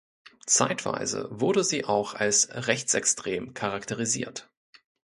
Zeitweise wurde sie auch als rechtsextrem charakterisiert.